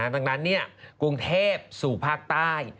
ดังนั้นกรุงเทพสู่ภาคใต้